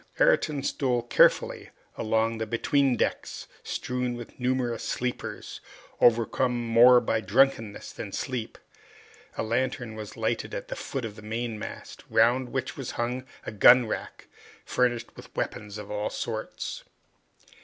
Ayrton stole carefully along the between decks, strewn with numerous sleepers, overcome more by drunkenness than sleep. A lantern was lighted at the foot of the mainmast, round which was hung a gun rack, furnished with weapons of all sorts.